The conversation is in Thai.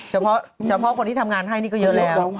เฉพาะคนทำงานเป็นเยอะแล้ว